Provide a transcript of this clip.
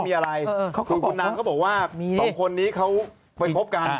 มีอะไรคุณน้ำเขาบอกว่าตรงคนนี้เขาไปพบกัน